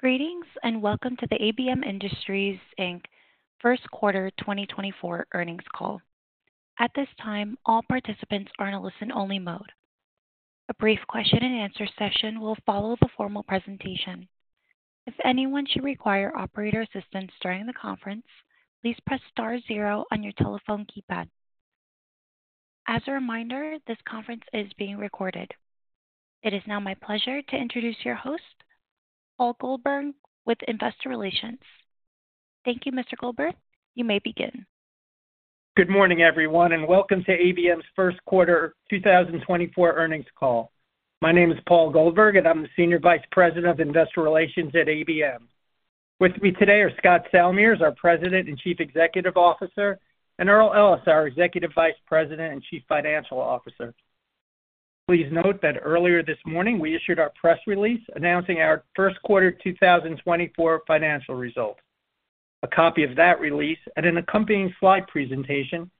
Greetings, and welcome to the ABM Industries Inc. First Quarter 2024 Earnings Call. At this time, all participants are in a listen-only mode. A brief question and answer session will follow the formal presentation. If anyone should require operator assistance during the conference, please press star zero on your telephone keypad. As a reminder, this conference is being recorded. It is now my pleasure to introduce your host, Paul Goldberg, with Investor Relations. Thank you, Mr. Goldberg. You may begin. Good morning, everyone, and welcome to ABM's First Quarter 2024 Earnings Call. My name is Paul Goldberg, and I'm the Senior Vice President of Investor Relations at ABM. With me today are Scott Salmirs, our President and Chief Executive Officer, and Earl Ellis, our Executive Vice President and Chief Financial Officer. Please note that earlier this morning, we issued our press release announcing our first quarter 2024 financial results. A copy of that release and an accompanying slide presentation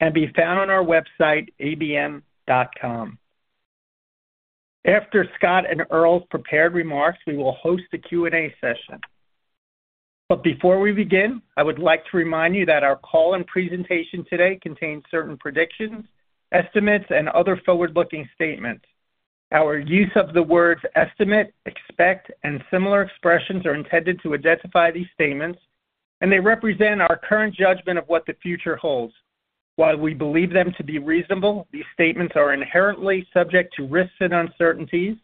can be found on our website, abm.com. After Scott and Earl's prepared remarks, we will host a Q&A session. But before we begin, I would like to remind you that our call and presentation today contains certain predictions, estimates, and other forward-looking statements. Our use of the words estimate, expect, and similar expressions are intended to identify these statements, and they represent our current judgment of what the future holds. While we believe them to be reasonable, these statements are inherently subject to risks and uncertainties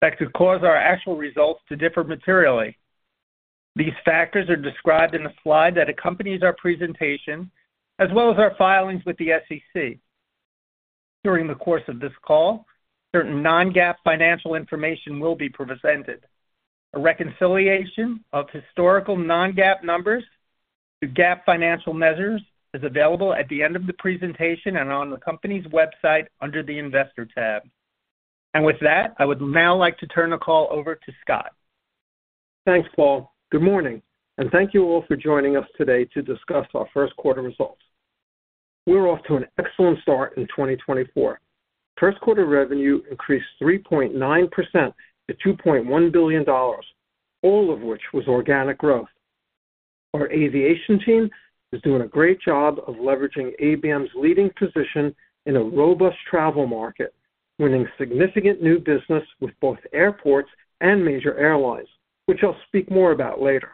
that could cause our actual results to differ materially. These factors are described in the slide that accompanies our presentation, as well as our filings with the SEC. During the course of this call, certain non-GAAP financial information will be presented. A reconciliation of historical non-GAAP numbers to GAAP financial measures is available at the end of the presentation and on the company's website under the Investor tab. With that, I would now like to turn the call over to Scott. Thanks, Paul. Good morning, and thank you all for joining us today to discuss our first quarter results. We're off to an excellent start in 2024. First quarter revenue increased 3.9% to $2.1 billion, all of which was organic growth. Our aviation team is doing a great job of leveraging ABM's leading position in a robust travel market, winning significant new business with both airports and major airlines, which I'll speak more about later.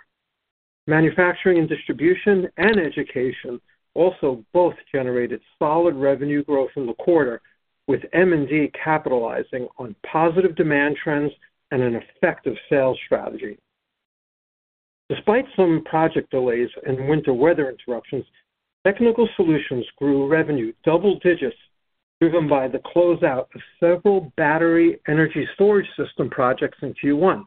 Manufacturing and Distribution and Education also both generated solid revenue growth in the quarter, with M&D capitalizing on positive demand trends and an effective sales strategy. Despite some project delays and winter weather interruptions, Technical Solutions grew revenue double digits, driven by the closeout of several battery energy storage system projects in Q1.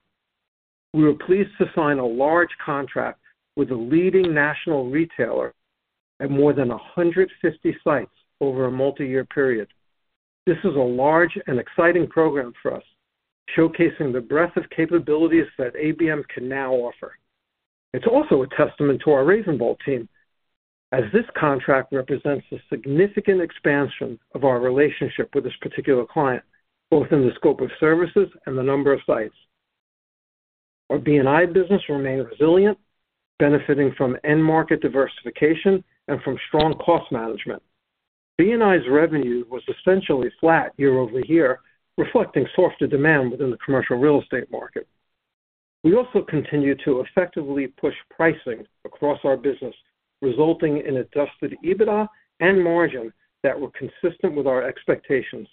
We were pleased to sign a large contract with a leading national retailer at more than 150 sites over a multi-year period. This is a large and exciting program for us, showcasing the breadth of capabilities that ABM can now offer. It's also a testament to our RavenVolt team, as this contract represents a significant expansion of our relationship with this particular client, both in the scope of services and the number of sites. Our B&I business remained resilient, benefiting from end-market diversification and from strong cost management. B&I's revenue was essentially flat year-over-year, reflecting softer demand within the commercial real estate market. We also continued to effectively push pricing across our business, resulting in adjusted EBITDA and margin that were consistent with our expectations.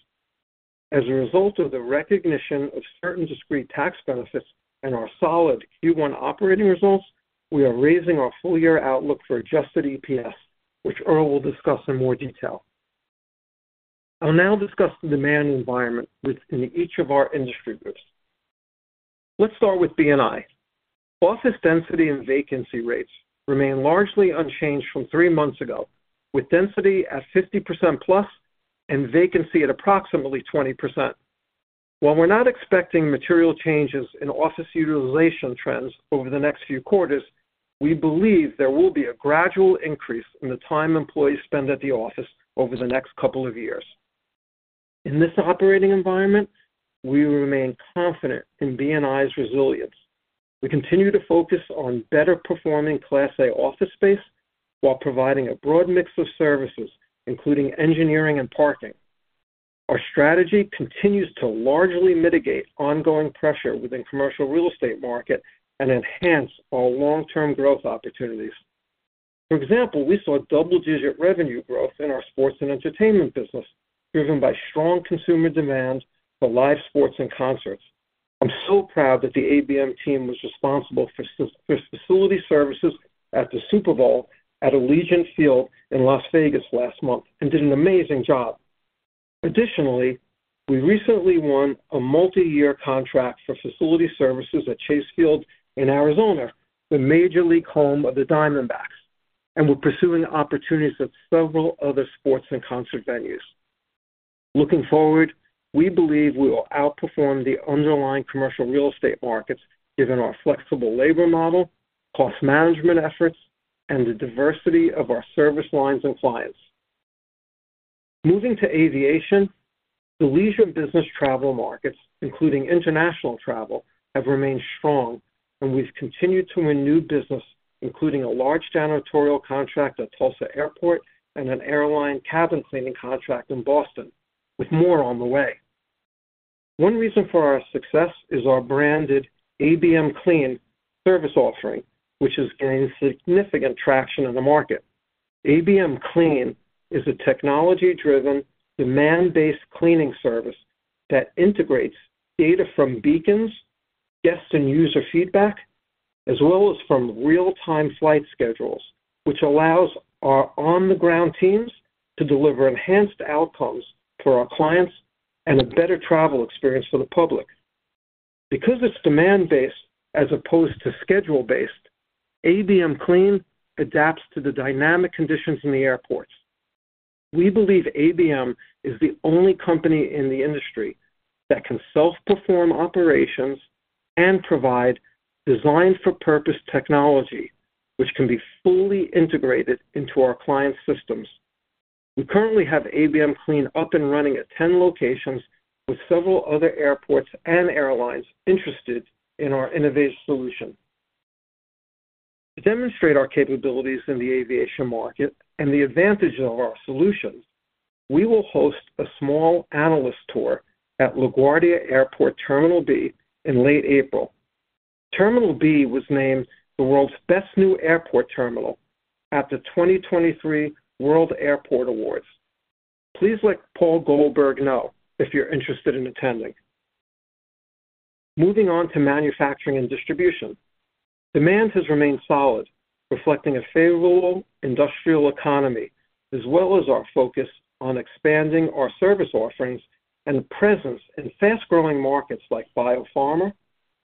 As a result of the recognition of certain discrete tax benefits and our solid Q1 operating results, we are raising our full-year outlook for adjusted EPS, which Earl will discuss in more detail. I'll now discuss the demand environment within each of our industry groups. Let's start with B&I. Office density and vacancy rates remain largely unchanged from three months ago, with density at 50% plus and vacancy at approximately 20%. While we're not expecting material changes in office utilization trends over the next few quarters, we believe there will be a gradual increase in the time employees spend at the office over the next couple of years. In this operating environment, we remain confident in B&I's resilience. We continue to focus on better-performing Class A office space while providing a broad mix of services, including engineering and parking. Our strategy continues to largely mitigate ongoing pressure within commercial real estate market and enhance our long-term growth opportunities. For example, we saw double-digit revenue growth in our sports and entertainment business, driven by strong consumer demand for live sports and concerts. I'm so proud that the ABM team was responsible for facility services at the Super Bowl at Allegiant Stadium in Las Vegas last month and did an amazing job. Additionally, we recently won a multiyear contract for facility services at Chase Field in Arizona, the Major League home of the Diamondbacks, and we're pursuing opportunities at several other sports and concert venues. Looking forward, we believe we will outperform the underlying commercial real estate markets, given our flexible labor model, cost management efforts, and the diversity of our service lines and clients. Moving to aviation, the leisure and business travel markets, including international travel, have remained strong, and we've continued to win new business, including a large janitorial contract at Tulsa Airport and an airline cabin cleaning contract in Boston, with more on the way. One reason for our success is our branded ABM Clean service offering, which is gaining significant traction in the market. ABM Clean is a technology-driven, demand-based cleaning service that integrates data from beacons, guest and user feedback, as well as from real-time flight schedules, which allows our on-the-ground teams to deliver enhanced outcomes for our clients and a better travel experience for the public. Because it's demand-based as opposed to schedule-based, ABM Clean adapts to the dynamic conditions in the airports. We believe ABM is the only company in the industry that can self-perform operations and provide design-for-purpose technology, which can be fully integrated into our clients' systems. We currently have ABM Clean up and running at 10 locations, with several other airports and airlines interested in our innovative solution. To demonstrate our capabilities in the aviation market and the advantage of our solutions, we will host a small analyst tour at LaGuardia Airport Terminal B in late April. Terminal B was named the world's best new airport terminal at the 2023 World Airport Awards. Please let Paul Goldberg know if you're interested in attending. Moving on to manufacturing and distribution. Demand has remained solid, reflecting a favorable industrial economy, as well as our focus on expanding our service offerings and presence in fast-growing markets like biopharma,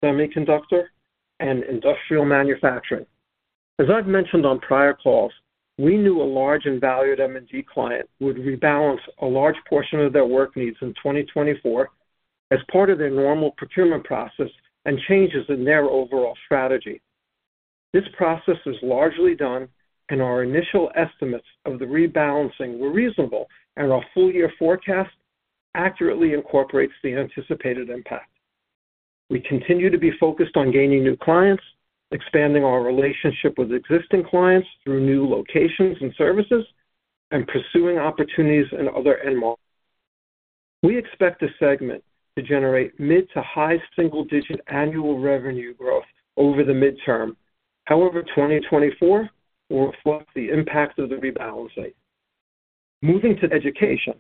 semiconductor, and industrial manufacturing. As I've mentioned on prior calls, we knew a large and valued M&D client would rebalance a large portion of their work needs in 2024 as part of their normal procurement process and changes in their overall strategy. This process is largely done, and our initial estimates of the rebalancing were reasonable, and our full-year forecast accurately incorporates the anticipated impact. We continue to be focused on gaining new clients, expanding our relationship with existing clients through new locations and services, and pursuing opportunities in other end markets. We expect this segment to generate mid- to high single-digit annual revenue growth over the midterm. However, 2024 will reflect the impact of the rebalancing. Moving to Education.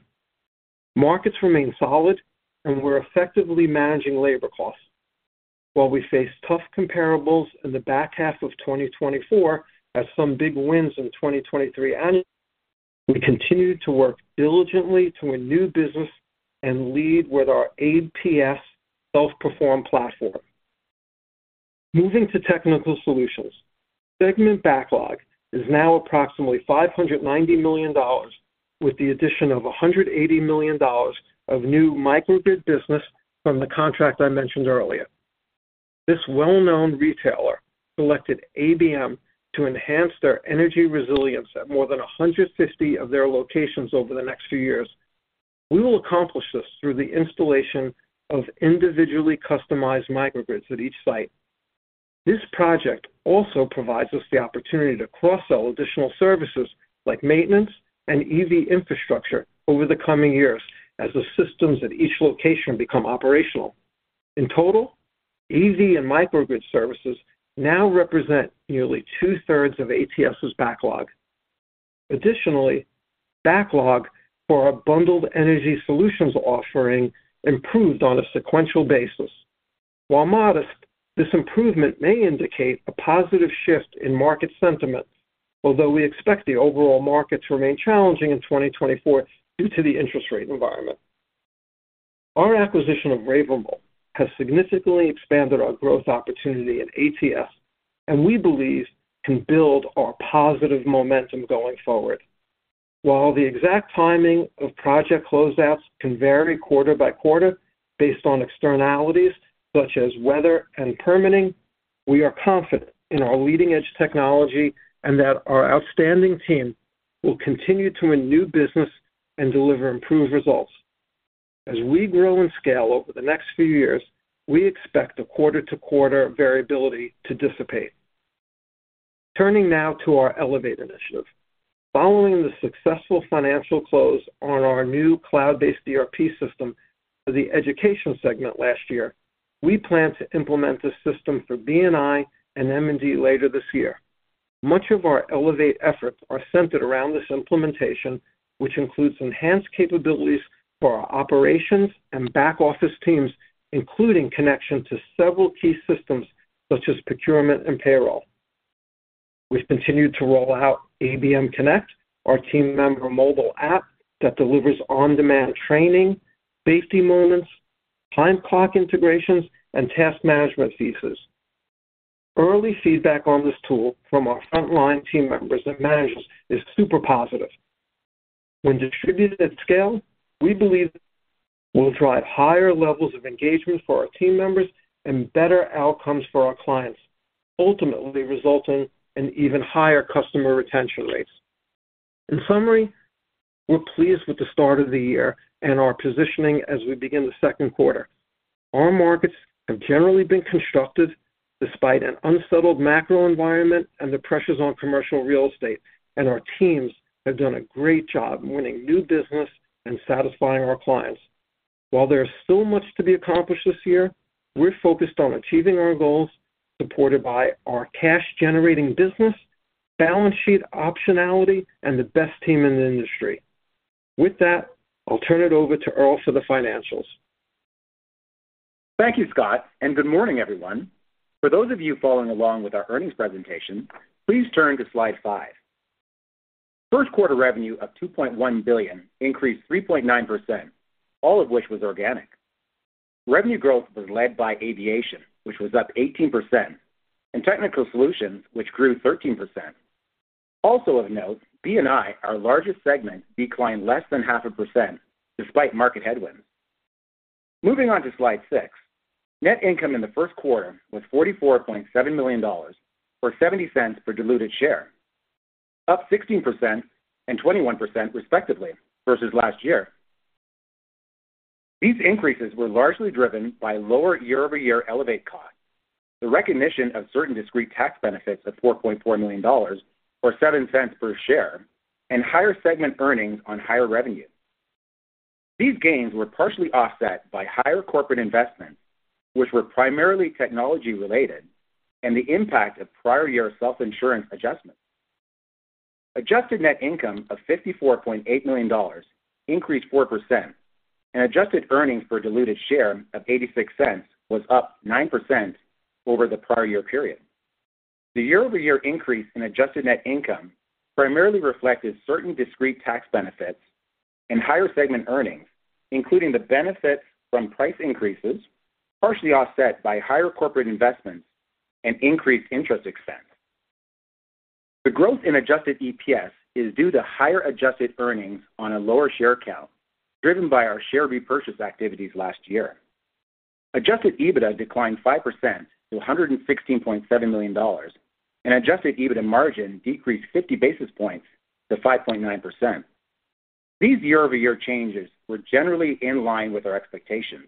Markets remain solid, and we're effectively managing labor costs. While we face tough comparables in the back half of 2024 as some big wins in 2023 annual, we continue to work diligently to win new business and lead with our APS self-perform platform. Moving to Technical Solutions. Segment backlog is now approximately $590 million, with the addition of $180 million of new microgrid business from the contract I mentioned earlier. This well-known retailer selected ABM to enhance their energy resilience at more than 150 of their locations over the next few years. We will accomplish this through the installation of individually customized microgrids at each site. This project also provides us the opportunity to cross-sell additional services like maintenance and EV infrastructure over the coming years as the systems at each location become operational. In total, EV and microgrid services now represent nearly two-thirds of ATS's backlog. Additionally, backlog for our Bundled Energy Solutions offering improved on a sequential basis. While modest, this improvement may indicate a positive shift in market sentiment, although we expect the overall market to remain challenging in 2024 due to the interest rate environment. Our acquisition of RavenVolt has significantly expanded our growth opportunity in ATS, and we believe can build our positive momentum going forward. While the exact timing of project closeouts can vary quarter by quarter based on externalities such as weather and permitting, we are confident in our leading-edge technology and that our outstanding team will continue to win new business and deliver improved results. As we grow and scale over the next few years, we expect the quarter-to-quarter variability to dissipate. Turning now to our Elevate initiative. Following the successful financial close on our new cloud-based ERP system for the Education segment last year, we plan to implement this system for B&I and M&D later this year. Much of our Elevate efforts are centered around this implementation, which includes enhanced capabilities for our operations and back-office teams, including connection to several key systems such as procurement and payroll. We've continued to roll out ABM Connect, our team member mobile app that delivers on-demand training, safety moments, time clock integrations, and task management features. Early feedback on this tool from our frontline team members and managers is super positive. When distributed at scale, we believe will drive higher levels of engagement for our team members and better outcomes for our clients, ultimately resulting in even higher customer retention rates. In summary, we're pleased with the start of the year and our positioning as we begin the second quarter. Our markets have generally been constructed despite an unsettled macro environment and the pressures on commercial real estate, and our teams have done a great job winning new business and satisfying our clients. While there is still much to be accomplished this year, we're focused on achieving our goals, supported by our cash-generating business, balance sheet optionality, and the best team in the industry. With that, I'll turn it over to Earl for the financials. Thank you, Scott, and good morning, everyone. For those of you following along with our earnings presentation, please turn to slide five. First quarter revenue of $2.1 billion increased 3.9%, all of which was organic. Revenue growth was led by aviation, which was up 18%, and technical solutions, which grew 13%. Also of note, B&I, our largest segment, declined less than 0.5% despite market headwinds. Moving on to slide six. Net income in the first quarter was $44.7 million, or $0.70 per diluted share, up 16% and 21% respectively versus last year. These increases were largely driven by lower year-over-year Elevate costs, the recognition of certain discrete tax benefits of $4.4 million, or $0.07 per share, and higher segment earnings on higher revenue. These gains were partially offset by higher corporate investments, which were primarily technology-related, and the impact of prior-year self-insurance adjustments. Adjusted net income of $54.8 million increased 4%, and adjusted earnings per diluted share of $0.86 was up 9% over the prior year period. The year-over-year increase in adjusted net income primarily reflected certain discrete tax benefits and higher segment earnings, including the benefit from price increases, partially offset by higher corporate investments and increased interest expense. The growth in adjusted EPS is due to higher adjusted earnings on a lower share count, driven by our share repurchase activities last year. Adjusted EBITDA declined 5% to $116.7 million, and adjusted EBITDA margin decreased 50 basis points to 5.9%. These year-over-year changes were generally in line with our expectations,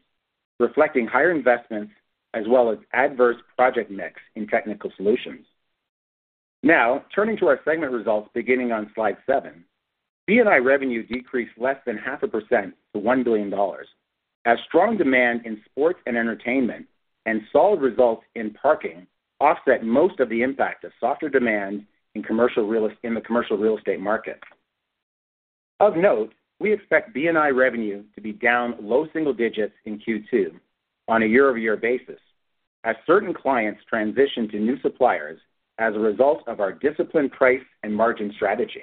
reflecting higher investments as well as adverse project mix in Technical Solutions. Now, turning to our segment results, beginning on slide seven. B&I revenue decreased less than 0.5% to $1 billion, as strong demand in sports and entertainment and solid results in parking offset most of the impact of softer demand in the commercial real estate market. Of note, we expect B&I revenue to be down low single digits in Q2 on a year-over-year basis, as certain clients transition to new suppliers as a result of our disciplined price and margin strategy.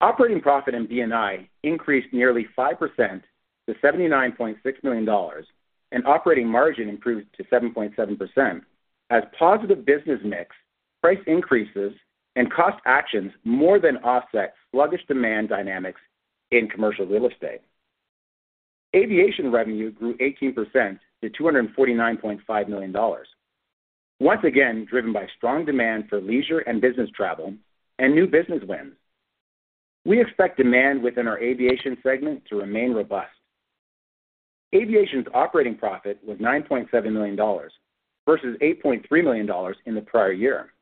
Operating profit in B&I increased nearly 5% to $79.6 million, and operating margin improved to 7.7%, as positive business mix, price increases, and cost actions more than offset sluggish demand dynamics in commercial real estate. Aviation revenue grew 18% to $249.5 million, once again driven by strong demand for leisure and business travel and new business wins. We expect demand within our aviation segment to remain robust. Aviation's operating profit was $9.7 million versus $8.3 million in the prior year,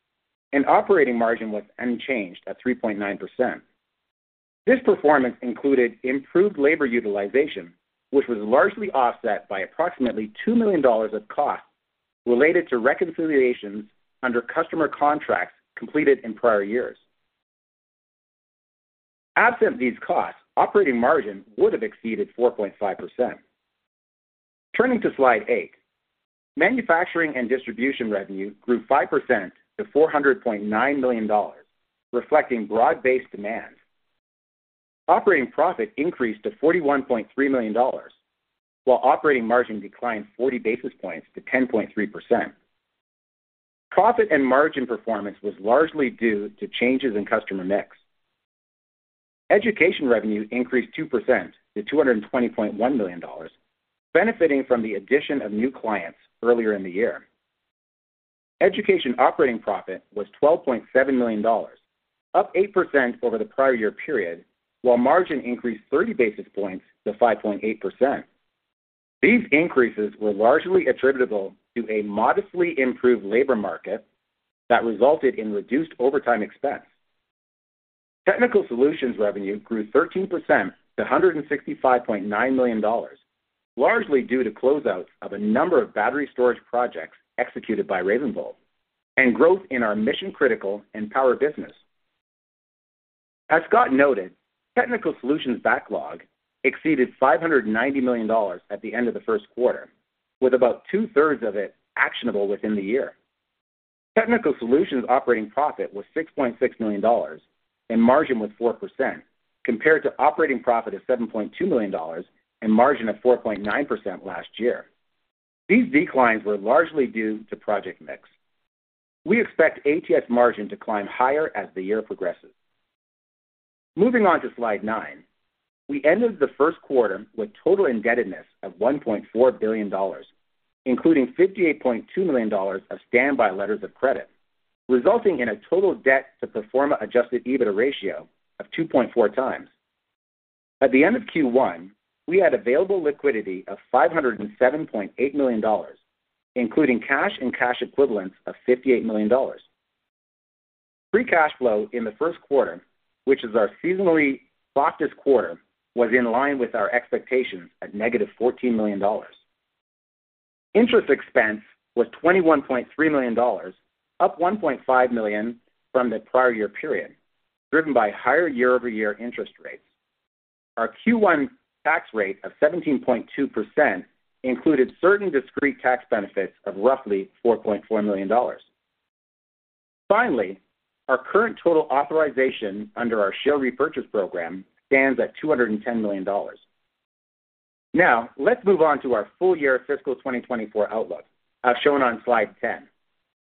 and operating margin was unchanged at 3.9%. This performance included improved labor utilization, which was largely offset by approximately $2 million of costs related to reconciliations under customer contracts completed in prior years. Absent these costs, operating margin would have exceeded 4.5%. Turning to Slide 8. Manufacturing and distribution revenue grew 5% to $400.9 million, reflecting broad-based demand. Operating profit increased to $41.3 million, while operating margin declined 40 basis points to 10.3%. Profit and margin performance was largely due to changes in customer mix. Education revenue increased 2% to $220.1 million, benefiting from the addition of new clients earlier in the year. Education operating profit was $12.7 million, up 8% over the prior year period, while margin increased 30 basis points to 5.8%. These increases were largely attributable to a modestly improved labor market that resulted in reduced overtime expense. Technical Solutions revenue grew 13% to $165.9 million, largely due to closeouts of a number of battery storage projects executed by RavenVolt and growth in our mission-critical and power business. As Scott noted, Technical Solutions backlog exceeded $590 million at the end of the first quarter, with about two-thirds of it actionable within the year. Technical Solutions operating profit was $6.6 million, and margin was 4%, compared to operating profit of $7.2 million and margin of 4.9% last year. These declines were largely due to project mix. We expect ATS margin to climb higher as the year progresses. Moving on to slide nine. We ended the first quarter with total indebtedness of $1.4 billion, including $58.2 million of standby letters of credit, resulting in a total debt to pro forma Adjusted EBITDA ratio of 2.4x. At the end of Q1, we had available liquidity of $507.8 million, including cash and cash equivalents of $58 million. Free cash flow in the first quarter, which is our seasonally slowest quarter, was in line with our expectations at -$14 million. Interest expense was $21.3 million, up $1.5 million from the prior year period, driven by higher year-over-year interest rates. Our Q1 tax rate of 17.2% included certain discrete tax benefits of roughly $4.4 million. Finally, our current total authorization under our share repurchase program stands at $210 million. Now, let's move on to our full-year fiscal 2024 outlook, as shown on slide 10.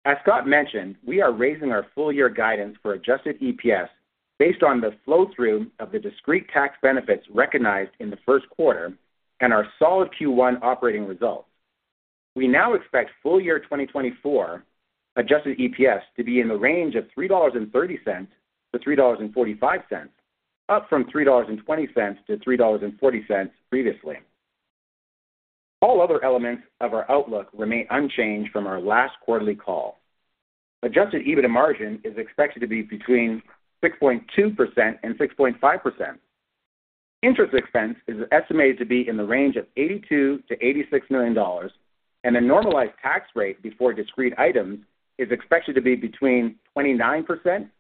As Scott mentioned, we are raising our full-year guidance for Adjusted EPS based on the flow-through of the discrete tax benefits recognized in the first quarter and our solid Q1 operating results. We now expect full year 2024 Adjusted EPS to be in the range of $3.30-$3.45, up from $3.20-$3.40 previously. All other elements of our outlook remain unchanged from our last quarterly call. Adjusted EBITDA margin is expected to be between 6.2% and 6.5%. Interest expense is estimated to be in the range of $82 million-$86 million, and a normalized tax rate before discrete items is expected to be between 29%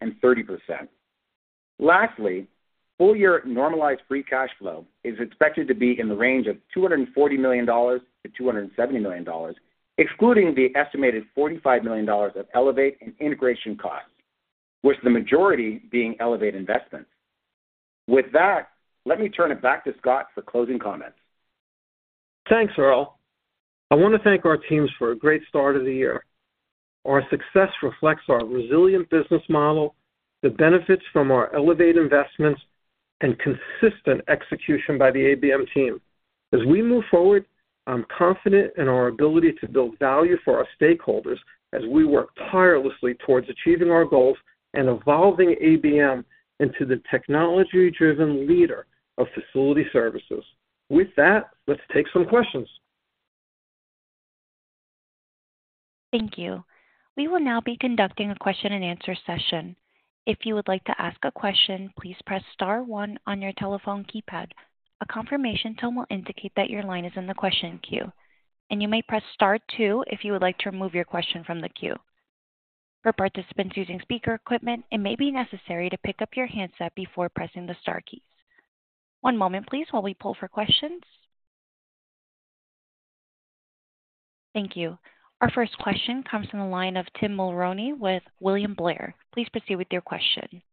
and 30%. Lastly, full-year normalized free cash flow is expected to be in the range of $240 million-$270 million, excluding the estimated $45 million of Elevate and integration costs, with the majority being Elevate investments. With that, let me turn it back to Scott for closing comments. Thanks, Earl. I want to thank our teams for a great start of the year. Our success reflects our resilient business model, the benefits from our Elevate investments, and consistent execution by the ABM team. As we move forward, I'm confident in our ability to build value for our stakeholders as we work tirelessly towards achieving our goals and evolving ABM into the technology-driven leader of facility services. With that, let's take some questions. Thank you. We will now be conducting a question-and-answer session. If you would like to ask a question, please press star one on your telephone keypad. A confirmation tone will indicate that your line is in the question queue, and you may press star two if you would like to remove your question from the queue. For participants using speaker equipment, it may be necessary to pick up your handset before pressing the star keys. One moment please while we pull for questions. Thank you. Our first question comes from the line of Tim Mulroney with William Blair. Please proceed with your question.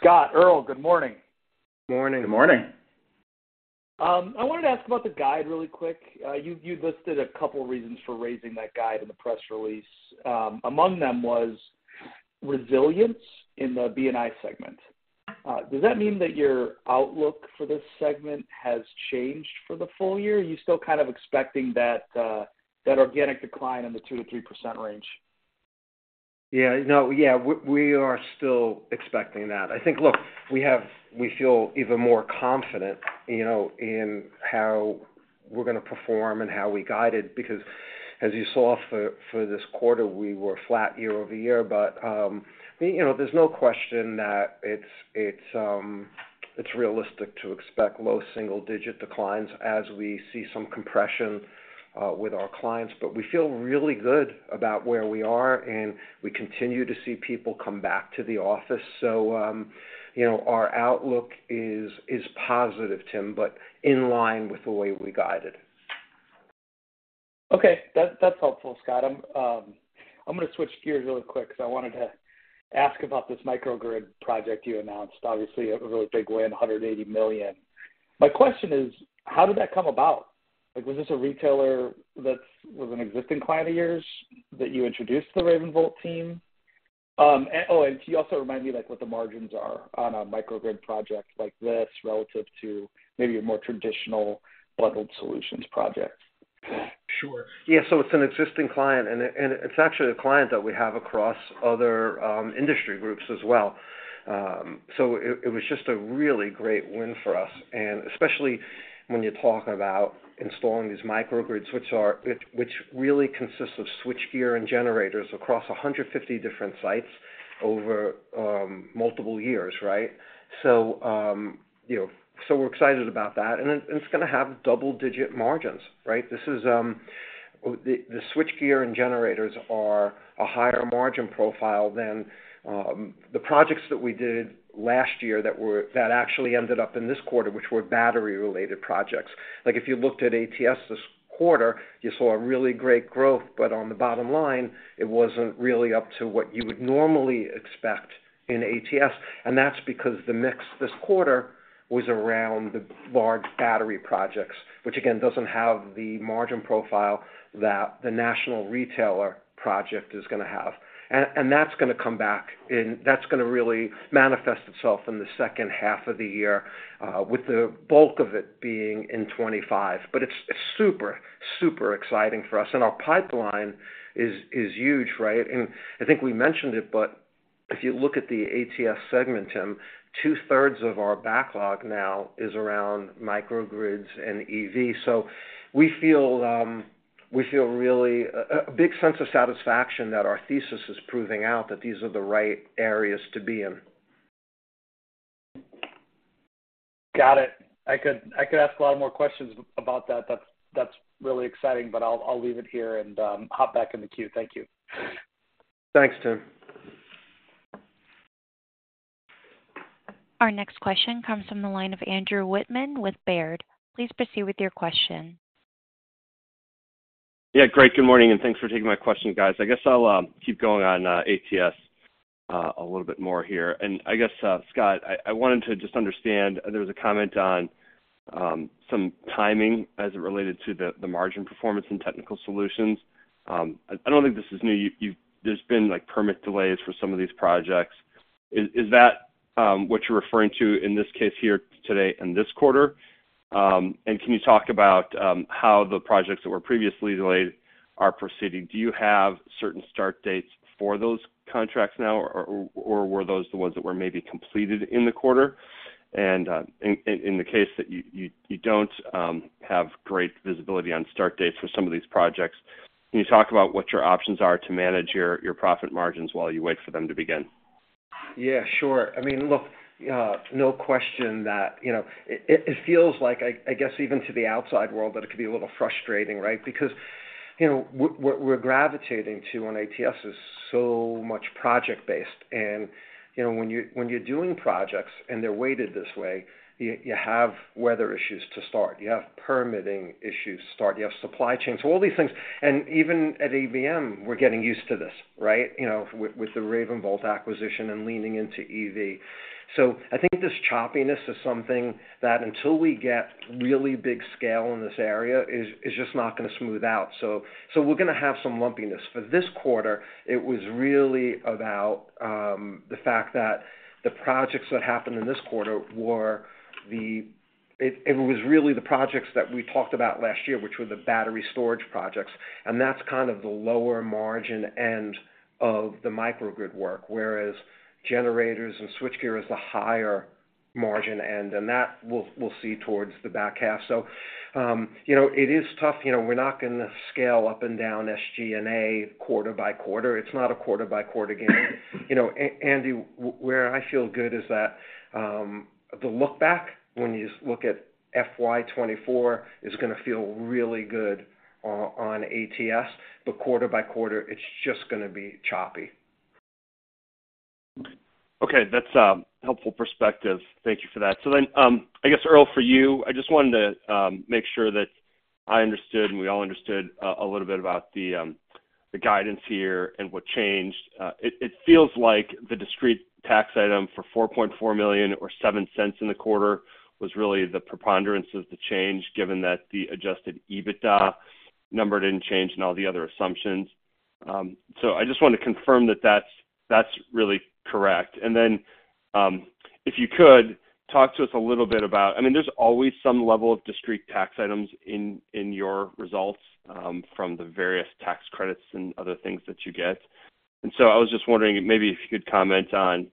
Scott, Earl, good morning. Morning. Good morning. I wanted to ask about the guide really quick. You listed a couple reasons for raising that guide in the press release. Among them was resilience in the B&I segment. Does that mean that your outlook for this segment has changed for the full year? Are you still kind of expecting that organic decline in the 2%-3% range? Yeah, no, yeah, we are still expecting that. I think, look, we feel even more confident, you know, in how we're gonna perform and how we guided, because as you saw for this quarter, we were flat year-over-year. But, you know, there's no question that it's realistic to expect low single-digit declines as we see some compression with our clients. But we feel really good about where we are, and we continue to see people come back to the office. So, you know, our outlook is positive, Tim, but in line with the way we guided. Okay, that's, that's helpful, Scott. I'm gonna switch gears really quick because I wanted to ask about this microgrid project you announced. Obviously, a really big win, $180 million. My question is, how did that come about? Like, was this a retailer that's was an existing client of yours that you introduced to the RavenVolt team? And oh, and can you also remind me, like, what the margins are on a microgrid project like this relative to maybe a more traditional bundled solutions project? Sure. Yeah, so it's an existing client, and it, and it's actually a client that we have across other industry groups as well. So it was just a really great win for us, and especially when you talk about installing these microgrids, which are... Which really consists of switchgear and generators across 150 different sites over multiple years, right? So you know, so we're excited about that, and it, it's gonna have double-digit margins, right? This is, Well, the switchgear and generators are a higher margin profile than the projects that we did last year that actually ended up in this quarter, which were battery-related projects. Like, if you looked at ATS this quarter, you saw a really great growth, but on the bottom line, it wasn't really up to what you would normally expect in ATS, and that's because the mix this quarter was around the large battery projects, which again, doesn't have the margin profile that the national retailer project is gonna have. And that's gonna come back, and that's gonna really manifest itself in the second half of the year, with the bulk of it being in 2025. But it's super, super exciting for us, and our pipeline is huge, right? I think we mentioned it, but if you look at the ATS segment, Tim, two-thirds of our backlog now is around microgrids and EV. So we feel, we feel really a big sense of satisfaction that our thesis is proving out, that these are the right areas to be in. Got it. I could ask a lot more questions about that. That's really exciting, but I'll leave it here and hop back in the queue. Thank you. Thanks, Tim. Our next question comes from the line of Andrew Whitman with Baird. Please proceed with your question. Yeah, great. Good morning, and thanks for taking my question, guys. I guess I'll keep going on ATS a little bit more here. And I guess, Scott, I wanted to just understand: there was a comment on some timing as it related to the margin performance and Technical Solutions. I don't think this is new. You-- there's been, like, permit delays for some of these projects. Is that what you're referring to in this case here today in this quarter? And can you talk about how the projects that were previously delayed are proceeding? Do you have certain start dates for those contracts now, or were those the ones that were maybe completed in the quarter? In the case that you don't have great visibility on start dates for some of these projects, can you talk about what your options are to manage your profit margins while you wait for them to begin? Yeah, sure. I mean, look, no question that, you know... It feels like, I guess, even to the outside world, that it could be a little frustrating, right? Because, you know, what we're gravitating to on ATS is so much project-based. And, you know, when you're doing projects and they're weighted this way, you have weather issues to start, you have permitting issues to start, you have supply chain, so all these things. And even at ABM, we're getting used to this, right? You know, with the RavenVolt acquisition and leaning into EV. So I think this choppiness is something that, until we get really big scale in this area, is just not gonna smooth out. So we're gonna have some lumpiness. For this quarter, it was really about the fact that the projects that happened in this quarter were the projects that we talked about last year, which were the battery storage projects, and that's kind of the lower margin end of the microgrid work, whereas generators and switchgear is the higher margin end, and that we'll see towards the back half. So, you know, it is tough. You know, we're not gonna scale up and down SG&A quarter by quarter. It's not a quarter-by-quarter game. You know, Andy, where I feel good is that the look back, when you look at FY 2024, is gonna feel really good on ATS, but quarter by quarter, it's just gonna be choppy. Okay. That's a helpful perspective. Thank you for that. So then, I guess, Earl, for you, I just wanted to make sure that I understood, and we all understood, a little bit about the guidance here and what changed. It feels like the discrete tax item for $4.4 million or $0.07 in the quarter was really the preponderance of the change, given that the Adjusted EBITDA number didn't change and all the other assumptions. So I just want to confirm that that's really correct. And then, if you could, talk to us a little bit about, I mean, there's always some level of discrete tax items in your results, from the various tax credits and other things that you get. I was just wondering if maybe you could comment on,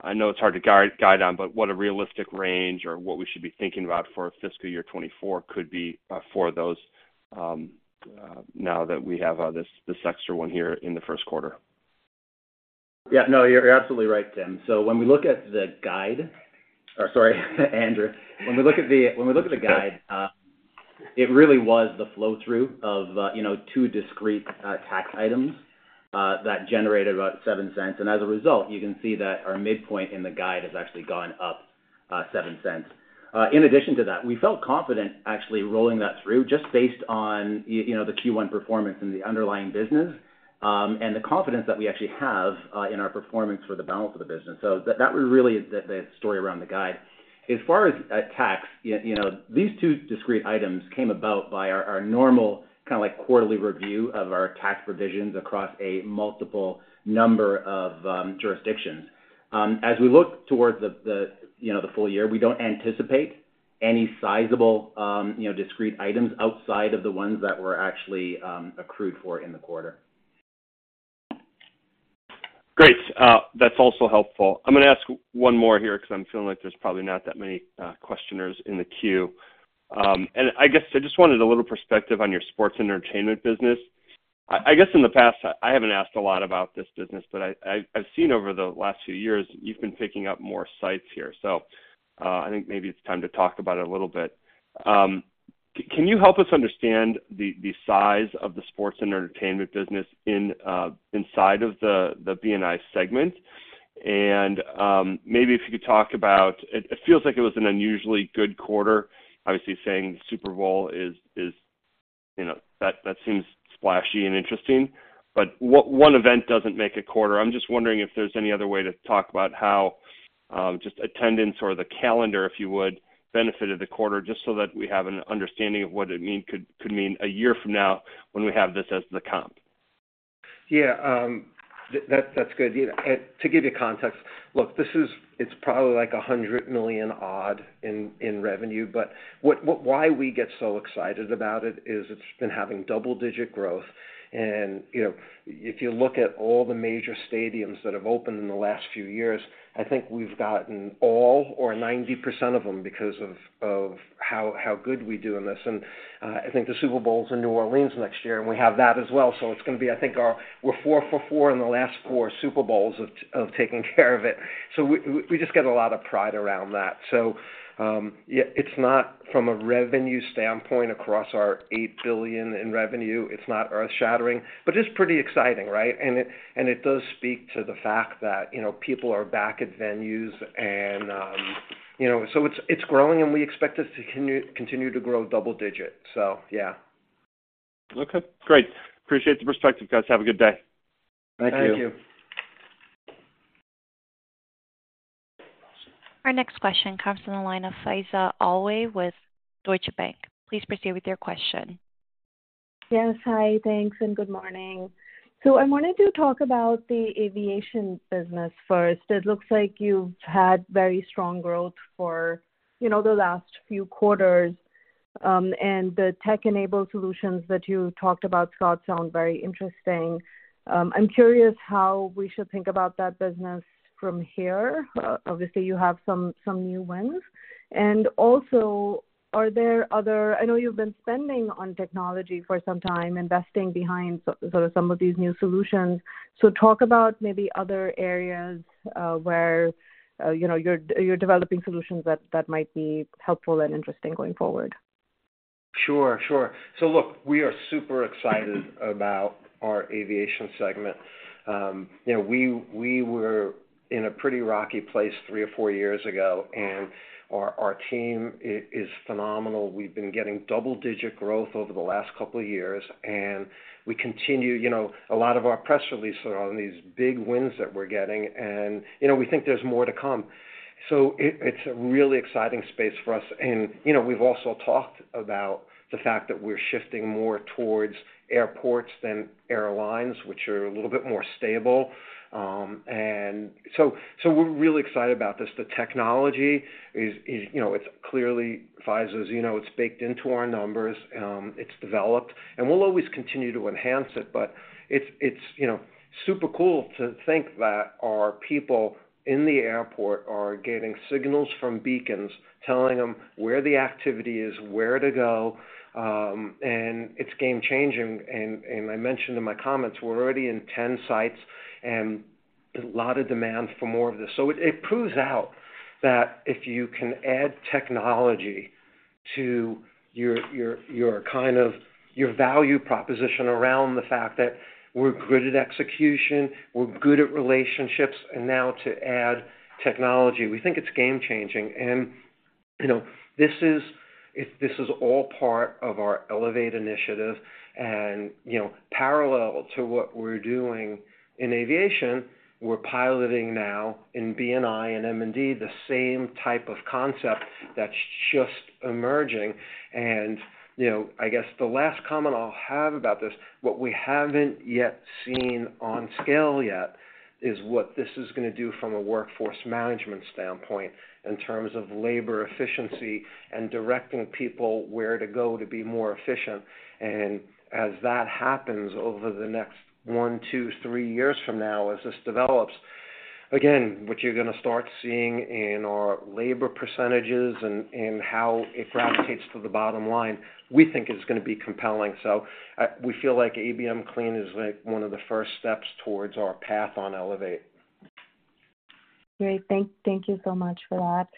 I know it's hard to guide on, but what a realistic range or what we should be thinking about for fiscal year 2024 could be, for those, now that we have, this, this extra one here in the first quarter. Yeah. No, you're absolutely right, Tim. So when we look at the guide... Or sorry, Andrew. When we look at the guide, it really was the flow-through of, you know, two discrete tax items that generated about $0.07. And as a result, you can see that our midpoint in the guide has actually gone up $0.07. In addition to that, we felt confident actually rolling that through, just based on you know, the Q1 performance and the underlying business, and the confidence that we actually have in our performance for the balance of the business. So that was really the story around the guide. As far as tax, you know, these two discrete items came about by our normal kinda like quarterly review of our tax provisions across a multiple number of jurisdictions. As we look towards the, you know, the full year, we don't anticipate any sizable, you know, discrete items outside of the ones that were actually accrued for in the quarter. Great. That's also helpful. I'm gonna ask one more here, 'cause I'm feeling like there's probably not that many questioners in the queue. And I guess I just wanted a little perspective on your sports and entertainment business.... I guess in the past, I haven't asked a lot about this business, but I've seen over the last few years, you've been picking up more sites here. So, I think maybe it's time to talk about it a little bit. Can you help us understand the size of the sports and entertainment business inside of the B&I segment? And maybe if you could talk about it, it feels like it was an unusually good quarter. Obviously, saying the Super Bowl is, you know, that seems splashy and interesting, but one event doesn't make a quarter. I'm just wondering if there's any other way to talk about how just attendance or the calendar, if you would, benefited the quarter, just so that we have an understanding of what it could mean a year from now when we have this as the comp. Yeah, that, that's good. Yeah, and to give you context, look, this is it's probably like $100 million odd in revenue, but what why we get so excited about it is it's been having double-digit growth. And, you know, if you look at all the major stadiums that have opened in the last few years, I think we've gotten all or 90% of them because of how good we do in this. And, I think the Super Bowl's in New Orleans next year, and we have that as well. So it's gonna be, I think, our... We're 4-for-4 in the last four Super Bowls of taking care of it. So we just get a lot of pride around that. So, yeah, it's not from a revenue standpoint, across our $8 billion in revenue, it's not earth-shattering, but it's pretty exciting, right? And it does speak to the fact that, you know, people are back at venues and, you know, so it's growing, and we expect this to continue to grow double-digit, so yeah. Okay, great. Appreciate the perspective, guys. Have a good day. Thank you. Thank you. Our next question comes from the line of Faiza Alwy with Deutsche Bank. Please proceed with your question. Yes, hi, thanks, and good morning. So I wanted to talk about the aviation business first. It looks like you've had very strong growth for, you know, the last few quarters. And the tech-enabled solutions that you talked about, Scott, sound very interesting. I'm curious how we should think about that business from here. Obviously, you have some, some new wins. And also, I know you've been spending on technology for some time, investing behind sort of some of these new solutions. So talk about maybe other areas, where, you know, you're, you're developing solutions that, that might be helpful and interesting going forward. Sure, sure. So look, we are super excited about our aviation segment. You know, we were in a pretty rocky place three or four years ago, and our team is phenomenal. We've been getting double-digit growth over the last couple of years, and we continue, you know, a lot of our press releases on these big wins that we're getting, and, you know, we think there's more to come. So it's a really exciting space for us. And, you know, we've also talked about the fact that we're shifting more towards airports than airlines, which are a little bit more stable. And so we're really excited about this. The technology is, you know, it's clearly Faiza, as you know, it's baked into our numbers. It's developed, and we'll always continue to enhance it, but it's, you know, super cool to think that our people in the airport are getting signals from beacons, telling them where the activity is, where to go, and it's game-changing. And I mentioned in my comments, we're already in 10 sites, and a lot of demand for more of this. So it proves out that if you can add technology to your value proposition around the fact that we're good at execution, we're good at relationships, and now to add technology, we think it's game-changing. And, you know, this is all part of our Elevate initiative. And, you know, parallel to what we're doing in aviation, we're piloting now in B&I and M&D, the same type of concept that's just emerging. And, you know, I guess the last comment I'll have about this, what we haven't yet seen on scale yet, is what this is gonna do from a workforce management standpoint in terms of labor efficiency and directing people where to go to be more efficient. And as that happens over the next one, two, three years from now, as this develops, again, what you're gonna start seeing in our labor percentages and, and how it gravitates to the bottom line, we think is gonna be compelling. So, we feel like ABM Clean is, like, one of the first steps towards our path on Elevate. Great. Thank you so much for that.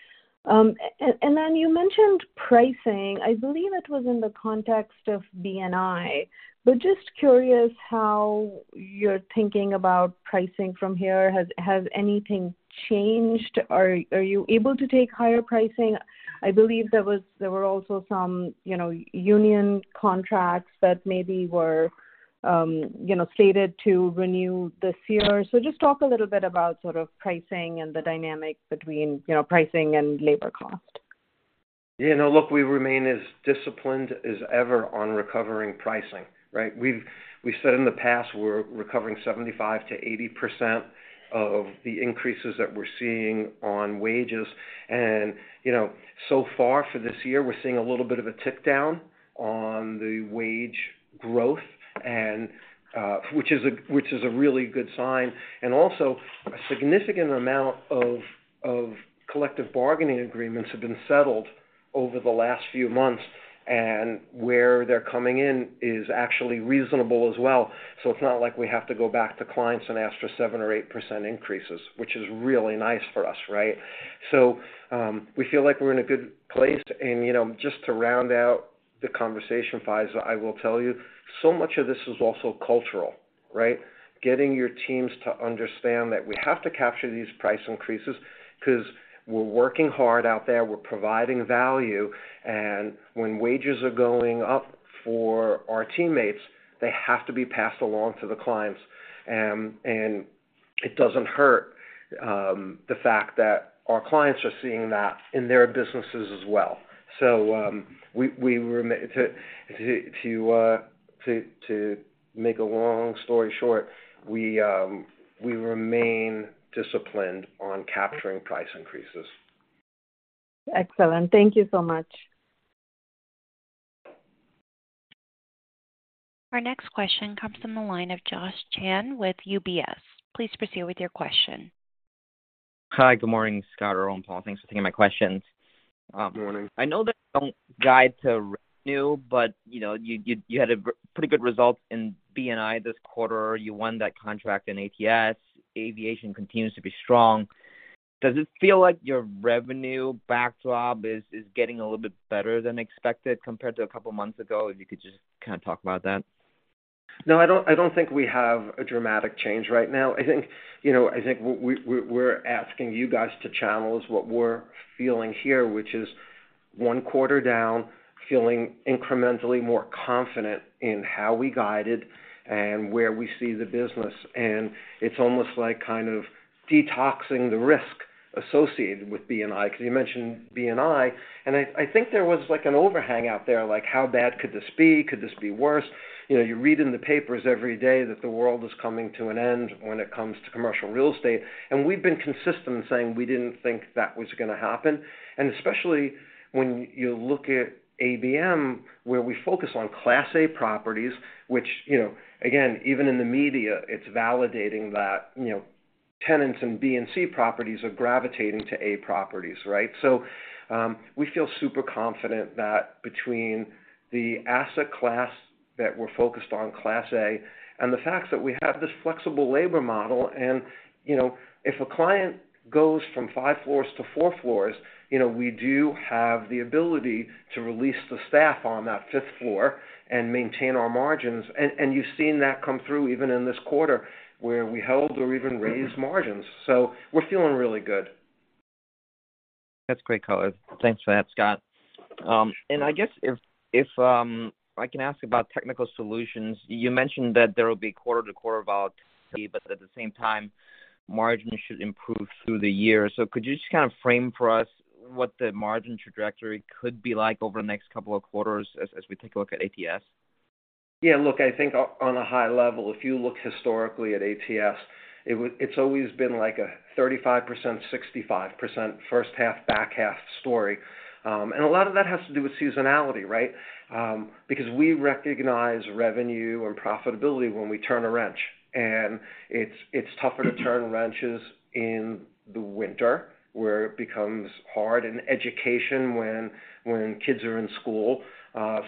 And then you mentioned pricing. I believe it was in the context of B&I. But just curious how you're thinking about pricing from here. Has anything changed, or are you able to take higher pricing? I believe there were also some, you know, union contracts that maybe were, you know, stated to renew this year. So just talk a little bit about sort of pricing and the dynamic between, you know, pricing and labor cost. Yeah, no, look, we remain as disciplined as ever on recovering pricing, right? We've said in the past, we're recovering 75%-80% of the increases that we're seeing on wages. And, you know, so far for this year, we're seeing a little bit of a tick down on the wage growth, and which is a really good sign. And also, a significant amount of collective bargaining agreements have been settled over the last few months, and where they're coming in is actually reasonable as well. So it's not like we have to go back to clients and ask for 7% or 8% increases, which is really nice for us, right? So, we feel like we're in a good place. You know, just to round out the conversation, Faiza, I will tell you, so much of this is also cultural, right? Getting your teams to understand that we have to capture these price increases 'cause we're working hard out there, we're providing value, and when wages are going up for our teammates, they have to be passed along to the clients. And it doesn't hurt, the fact that our clients are seeing that in their businesses as well. So, to make a long story short, we remain disciplined on capturing price increases. Excellent. Thank you so much. Our next question comes from the line of Josh Chan with UBS. Please proceed with your question. Hi, good morning, Scott, Earl, and Paul. Thanks for taking my questions. Good morning. I know that you don't guide to revenue, but, you know, you had a very good result in B&I this quarter. You won that contract in ATS. Aviation continues to be strong. Does it feel like your revenue backlog is getting a little bit better than expected compared to a couple of months ago? If you could just kind of talk about that. No, I don't, I don't think we have a dramatic change right now. I think, you know, I think what we, we, we're asking you guys to channel is what we're feeling here, which is one quarter down, feeling incrementally more confident in how we guided and where we see the business. And it's almost like kind of detoxing the risk associated with B&I, 'cause you mentioned B&I, and I, I think there was, like, an overhang out there, like: How bad could this be? Could this be worse? You know, you read in the papers every day that the world is coming to an end when it comes to commercial real estate, and we've been consistent in saying we didn't think that was gonna happen. And especially when you look at ABM, where we focus on Class A properties, which, you know, again, even in the media, it's validating that, you know, tenants in B and C properties are gravitating to A properties, right? So, we feel super confident that between the asset class that we're focused on, Class A, and the fact that we have this flexible labor model, and, you know, if a client goes from five floors to four floors, you know, we do have the ability to release the staff on that fifth floor and maintain our margins. And you've seen that come through even in this quarter, where we held or even raised margins. So we're feeling really good. That's great color. Thanks for that, Scott. And I guess if I can ask about Technical Solutions, you mentioned that there will be quarter-to-quarter volatility, but at the same time, margins should improve through the year. So could you just kind of frame for us what the margin trajectory could be like over the next couple of quarters as we take a look at ATS? Yeah, look, I think on a high level, if you look historically at ATS, it's always been like a 35%, 65%, first half, back half story. And a lot of that has to do with seasonality, right? Because we recognize revenue and profitability when we turn a wrench, and it's tougher to turn wrenches in the winter, where it becomes hard, and education, when kids are in school.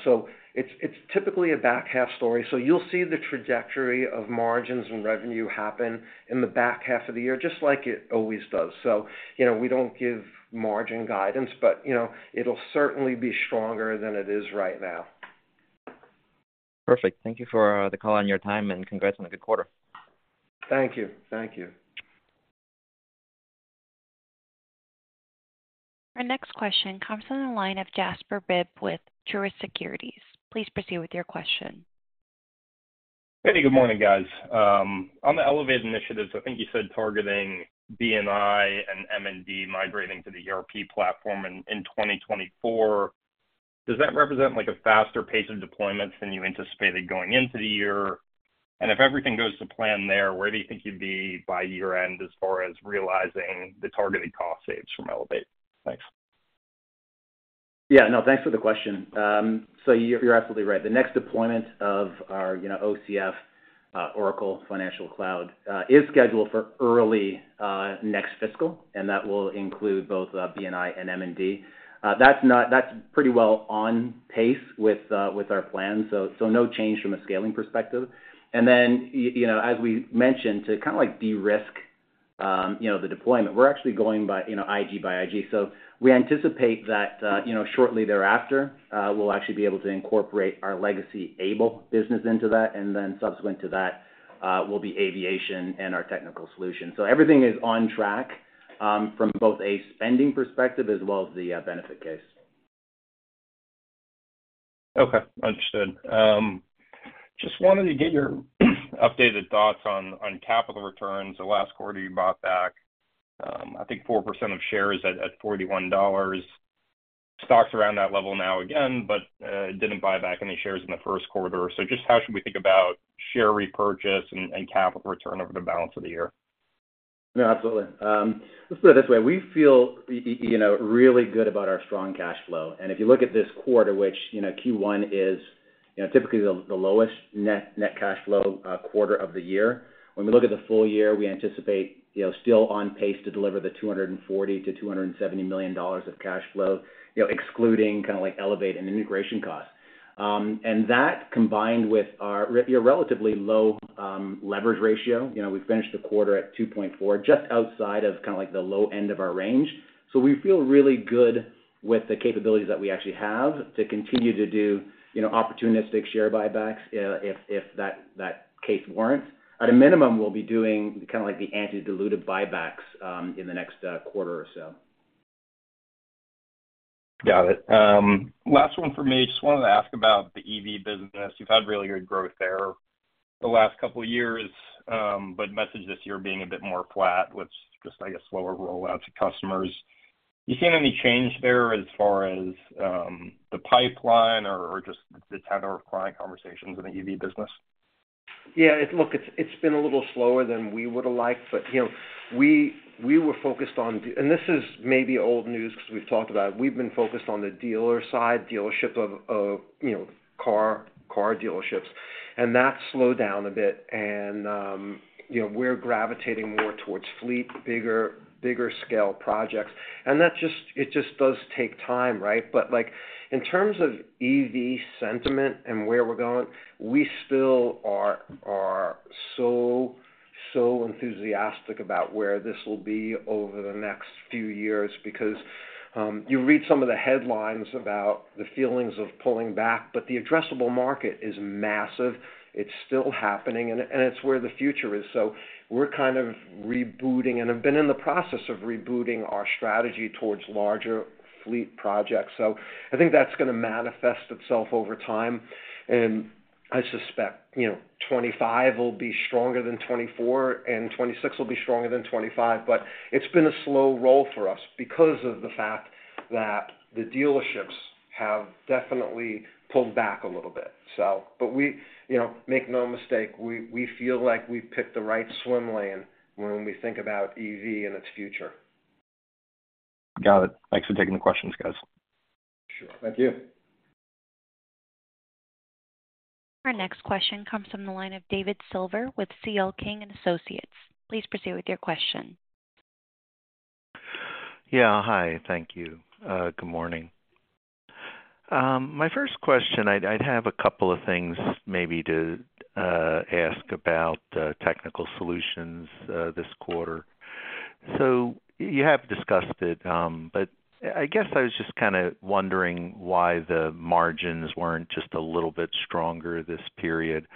So it's typically a back half story. So you'll see the trajectory of margins and revenue happen in the back half of the year, just like it always does. So, you know, we don't give margin guidance, but, you know, it'll certainly be stronger than it is right now. Perfect. Thank you for the call and your time, and congrats on a good quarter. Thank you. Thank you. Our next question comes from the line of Jasper Bibb with Truist Securities. Please proceed with your question. Hey, good morning, guys. On the Elevate initiatives, I think you said targeting B&I and M&D migrating to the ERP platform in 2024. Does that represent, like, a faster pace of deployments than you anticipated going into the year? And if everything goes to plan there, where do you think you'd be by year-end as far as realizing the targeted cost saves from Elevate? Thanks. Yeah, no, thanks for the question. So you're absolutely right. The next deployment of our, you know, OCF, Oracle Financial Cloud, is scheduled for early next fiscal, and that will include both B&I and M&D. That's pretty well on pace with our plans, so no change from a scaling perspective. And then, you know, as we mentioned, to kind of like de-risk the deployment, we're actually going by IG by IG. So we anticipate that, you know, shortly thereafter, we'll actually be able to incorporate our legacy ABLE business into that, and then subsequent to that, will be aviation and our technical solution. So everything is on track from both a spending perspective as well as the benefit case. Okay. Understood. Just wanted to get your updated thoughts on, on capital returns. The last quarter, you bought back, I think 4% of shares at, at $41. Stock's around that level now again, but, didn't buy back any shares in the first quarter. So just how should we think about share repurchase and, and capital return over the balance of the year? No, absolutely. Let's put it this way, we feel, you know, really good about our strong cash flow. And if you look at this quarter, which, you know, Q1 is you know, typically the lowest net cash flow quarter of the year. When we look at the full year, we anticipate, you know, still on pace to deliver $240 million-$270 million of cash flow, you know, excluding kind of like Elevate and integration costs. And that combined with our relatively low leverage ratio, you know, we finished the quarter at 2.4, just outside of kind of like the low end of our range. We feel really good with the capabilities that we actually have to continue to do, you know, opportunistic share buybacks, if that case warrants. At a minimum, we'll be doing kind of like the anti-dilutive buybacks in the next quarter or so. Got it. Last one for me. Just wanted to ask about the EV business. You've had really good growth there the last couple of years, but message this year being a bit more flat, which just, I guess, slower rollout to customers. You seen any change there as far as, the pipeline or, or just the tenor of client conversations in the EV business? Yeah, it looks, it's been a little slower than we would have liked, but you know, we were focused on. And this is maybe old news because we've talked about it. We've been focused on the dealer side of car dealerships, and that slowed down a bit, and you know, we're gravitating more towards fleet, bigger scale projects. And that just does take time, right? But like, in terms of EV sentiment and where we're going, we still are so enthusiastic about where this will be over the next few years, because you read some of the headlines about the feelings of pulling back, but the addressable market is massive. It's still happening, and it's where the future is. So we're kind of rebooting and have been in the process of rebooting our strategy towards larger fleet projects. So I think that's gonna manifest itself over time. And I suspect, you know, 2025 will be stronger than 2024, and 2026 will be stronger than 2025. But it's been a slow roll for us because of the fact that the dealerships have definitely pulled back a little bit. So but we—you know, make no mistake, we, we feel like we've picked the right swim lane when we think about EV and its future. Got it. Thanks for taking the questions, guys. Sure. Thank you. Our next question comes from the line of David Silver with CL King & Associates. Please proceed with your question. Yeah. Hi, thank you. Good morning. My first question, I'd, I'd have a couple of things maybe to ask about, technical solutions, this quarter. So you have discussed it, but I guess I was just kind of wondering why the margins weren't just a little bit stronger this period.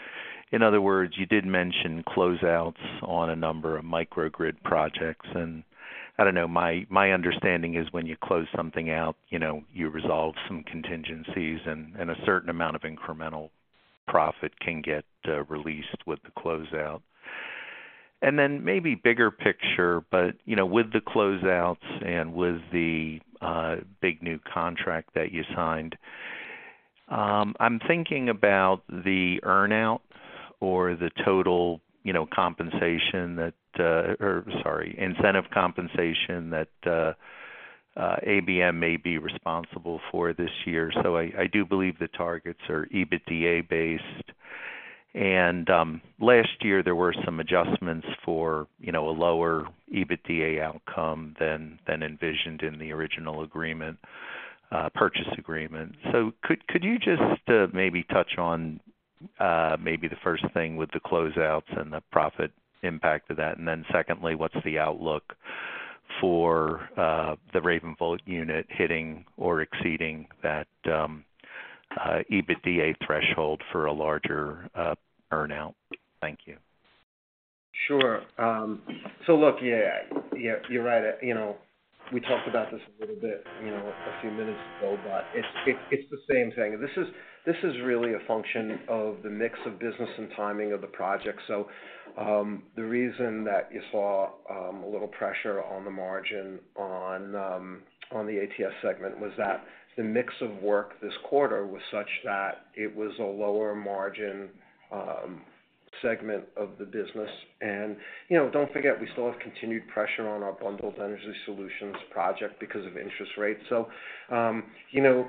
In other words, you did mention closeouts on a number of microgrid projects, and I don't know, my, my understanding is when you close something out, you know, you resolve some contingencies, and, and a certain amount of incremental profit can get released with the closeout. And then maybe bigger picture, but, you know, with the closeouts and with the big new contract that you signed, I'm thinking about the earn-out or the total, you know, compensation that, or sorry, incentive compensation that, ABM may be responsible for this year. So I, I do believe the targets are EBITDA-based. And, last year there were some adjustments for, you know, a lower EBITDA outcome than envisioned in the original agreement, purchase agreement. So could you just maybe touch on maybe the first thing with the closeouts and the profit impact of that? And then secondly, what's the outlook for the RavenVolt unit hitting or exceeding that EBITDA threshold for a larger earn-out? Thank you. Sure. So look, yeah, yeah, you're right. You know, we talked about this a little bit, you know, a few minutes ago, but it's the same thing. This is really a function of the mix of business and timing of the project. So, the reason that you saw a little pressure on the margin on the ATS segment was that the mix of work this quarter was such that it was a lower margin segment of the business. And, you know, don't forget, we still have continued pressure on our Bundled Energy Solutions project because of interest rates. So, you know,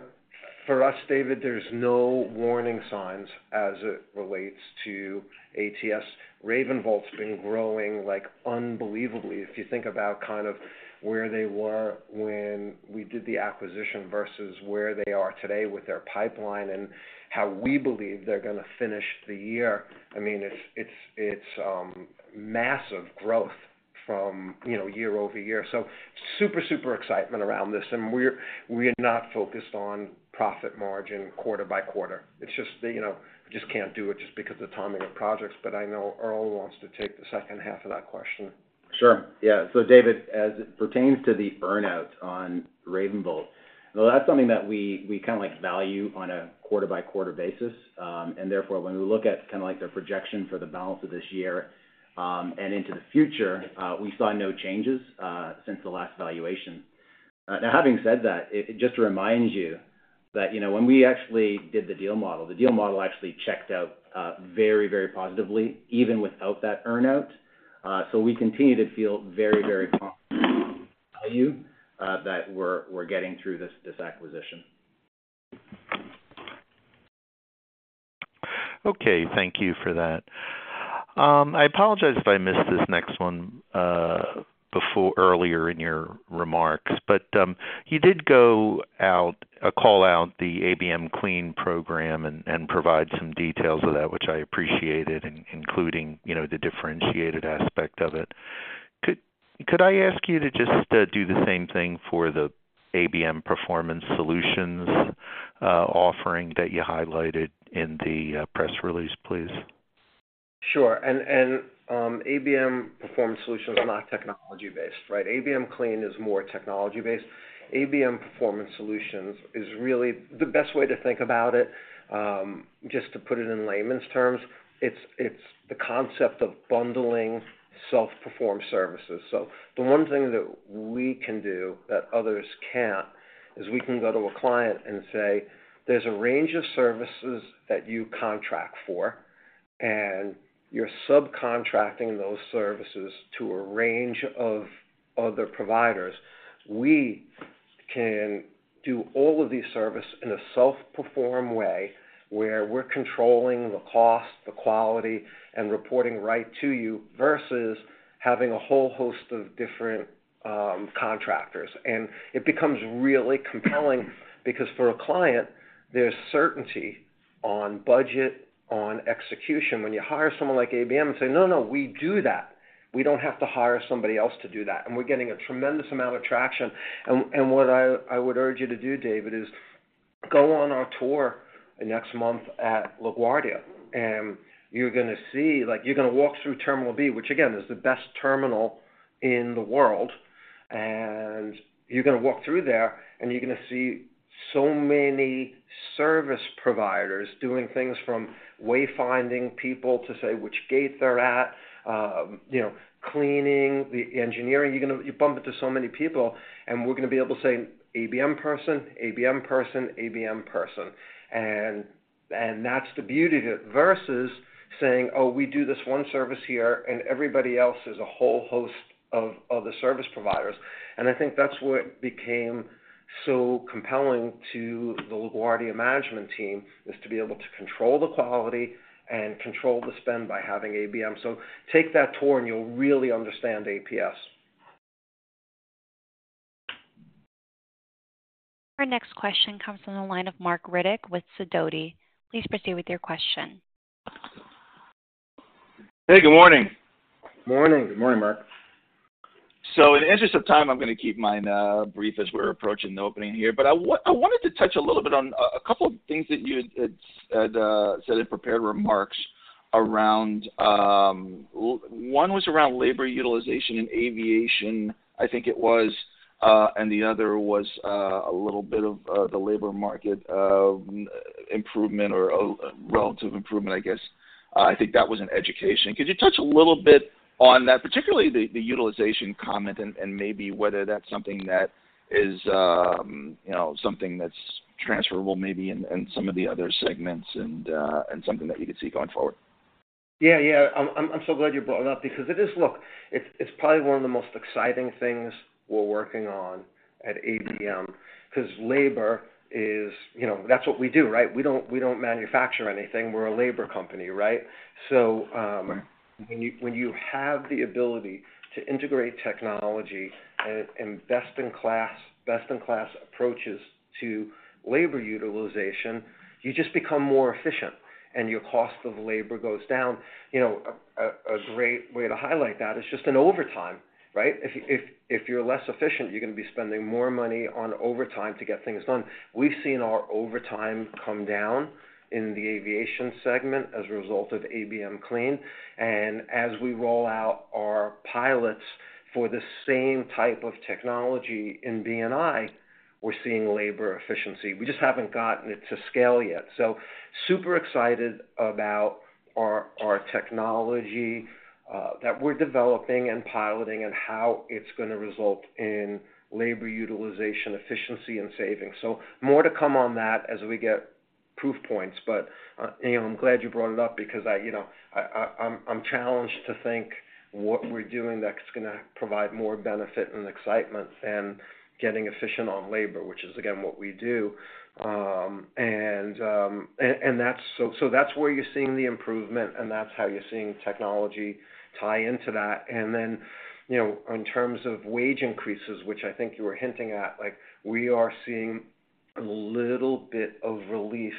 for us, David, there's no warning signs as it relates to ATS. RavenVolt's been growing, like, unbelievably. If you think about kind of where they were when we did the acquisition versus where they are today with their pipeline and how we believe they're gonna finish the year, I mean, it's, it's, it's massive growth from, you know, year-over-year. So super, super excitement around this, and we're, we are not focused on profit margin quarter by quarter. It's just that, you know, we just can't do it just because the timing of projects, but I know Earl wants to take the second half of that question. Sure. Yeah. So, David, as it pertains to the earn-out on RavenVolt, well, that's something that we kinda like value on a quarter-by-quarter basis. And therefore, when we look at kinda like the projection for the balance of this year, and into the future, we saw no changes since the last valuation. Now, having said that, just to remind you that, you know, when we actually did the deal model, the deal model actually checked out very, very positively, even without that earn-out. So we continue to feel very, very positive-value that we're getting through this acquisition. Okay, thank you for that. I apologize if I missed this next one earlier in your remarks, but you did call out the ABM Clean program and provide some details of that, which I appreciated, including, you know, the differentiated aspect of it. Could I ask you to just do the same thing for the ABM Performance Solutions offering that you highlighted in the press release, please? Sure. And, ABM Performance Solutions is not technology-based, right? ABM Clean is more technology-based. ABM Performance Solutions is really... The best way to think about it, just to put it in layman's terms, it's the concept of bundling self-performed services. So the one thing that we can do that others can't, is we can go to a client and say, "There's a range of services that you contract for, and you're subcontracting those services to a range of other providers. We can do all of these service in a self-performed way, where we're controlling the cost, the quality, and reporting right to you, versus having a whole host of different, contractors." And it becomes really compelling because for a client, there's certainty on budget, on execution. When you hire someone like ABM and say, "No, no, we do that. We don't have to hire somebody else to do that," and we're getting a tremendous amount of traction. And what I would urge you to do, David, is go on our tour next month at LaGuardia, and you're gonna see, like, you're gonna walk through Terminal B, which again, is the best terminal in the world. And you're gonna walk through there, and you're gonna see so many service providers doing things from way-finding people to say which gate they're at, you know, cleaning, the engineering. You're gonna bump into so many people, and we're gonna be able to say, "ABM person, ABM person, ABM person." And that's the beauty of it, versus saying, "Oh, we do this one service here, and everybody else is a whole host of other service providers." And I think that's what became so compelling to the LaGuardia management team, is to be able to control the quality and control the spend by having ABM. So take that tour, and you'll really understand APS. Our next question comes from the line of Marc Riddick with Sidoti. Please proceed with your question. Hey, good morning. Morning. Good morning, Marc. So in the interest of time, I'm gonna keep mine brief as we're approaching the opening here. But I wanted to touch a little bit on a couple of things that you had said in prepared remarks around. One was around labor utilization in aviation, I think it was, and the other was a little bit of the labor market improvement or relative improvement, I guess. I think that was in education. Could you touch a little bit on that, particularly the utilization comment and maybe whether that's something that is, you know, something that's transferable maybe in some of the other segments and something that you could see going forward? Yeah, yeah. I'm so glad you brought it up because it is... Look, it's probably one of the most exciting things we're working on at ABM, 'cause labor is, you know, that's what we do, right? We don't manufacture anything. We're a labor company, right? So, Right. When you have the ability to integrate technology and best-in-class approaches to labor utilization, you just become more efficient, and your cost of labor goes down. You know, a great way to highlight that is just in overtime, right? If you're less efficient, you're gonna be spending more money on overtime to get things done. We've seen our overtime come down in the aviation segment as a result of ABM Clean. And as we roll out our pilots for the same type of technology in B&I, we're seeing labor efficiency. We just haven't gotten it to scale yet. So super excited about our technology that we're developing and piloting, and how it's gonna result in labor utilization, efficiency, and savings. So more to come on that as we get proof points. But, you know, I'm glad you brought it up because, you know, I'm challenged to think what we're doing that's gonna provide more benefit and excitement than getting efficient on labor, which is, again, what we do. And that's where you're seeing the improvement, and that's how you're seeing technology tie into that. And then, you know, in terms of wage increases, which I think you were hinting at, like, we are seeing a little bit of relief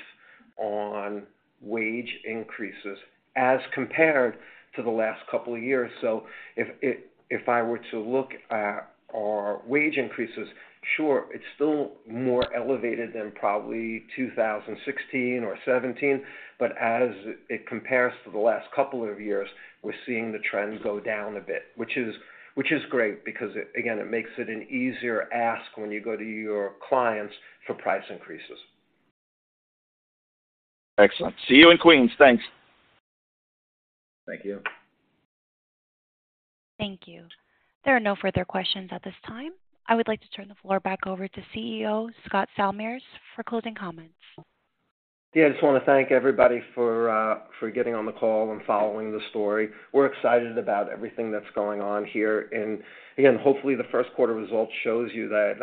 on wage increases as compared to the last couple of years. So if I were to look at our wage increases, sure, it's still more elevated than probably 2016 or 2017, but as it compares to the last couple of years, we're seeing the trend go down a bit, which is great because, again, it makes it an easier ask when you go to your clients for price increases. Excellent. See you in Queens. Thanks. Thank you. Thank you. There are no further questions at this time. I would like to turn the floor back over to Chief Executive Officer, Scott Salmirs, for closing comments. Yeah, I just wanna thank everybody for getting on the call and following the story. We're excited about everything that's going on here. And again, hopefully, the first quarter results shows you that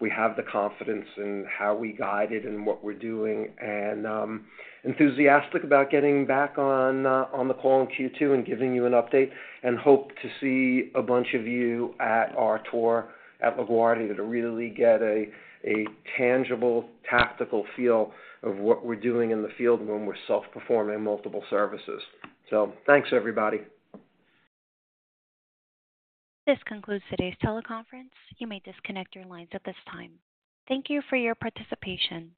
we have the confidence in how we guided and what we're doing. And enthusiastic about getting back on the call in Q2 and giving you an update, and hope to see a bunch of you at our tour at LaGuardia, to really get a tangible, tactical feel of what we're doing in the field when we're self-performing multiple services. So thanks, everybody. This concludes today's teleconference. You may disconnect your lines at this time. Thank you for your participation.